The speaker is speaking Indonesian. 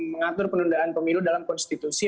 mengatur penundaan pemilu dalam konstitusi